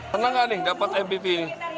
senang gak nih dapat mvp ini